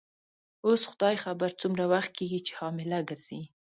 اوس خدای خبر څومره وخت کیږي چي حامله ګرځې.